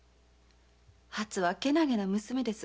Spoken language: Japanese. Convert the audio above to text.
はつはけなげな娘です。